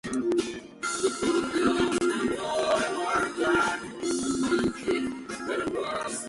The spin-off series ran for one season.